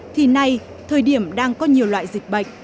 thì nay thời điểm đang có nhiều loại dịch bệnh